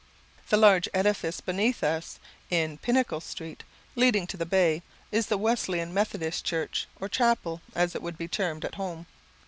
The large edifice beneath us, in Pinacle street, leading to the bay, is the Wesleyan Methodist church, or chapel, as it would be termed at home.